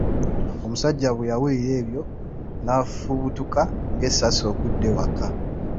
Omusajja bwe yawulira ebyo n'afubutuka ng'essasi okudda ewaka.